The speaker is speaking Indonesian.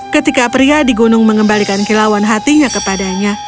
ketika pria di gunung mengembalikan kilauan hatinya kepadanya